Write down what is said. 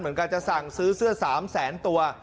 การจะสั่งซื้อเสื้อ๓แสนตัว